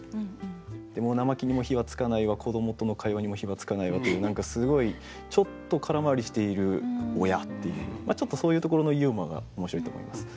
でも生木にも火は点かないわ子供との会話にも火は点かないわという何かすごいちょっと空回りしている親っていうちょっとそういうところのユーモアが面白いと思います。